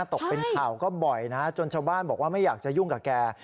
ตกเป็นข่าวก็บ่อยนะจนชาวบ้านบอกว่าไม่อยากจะยุ่งกับแก